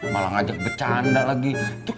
malah ngajak bercanda lagi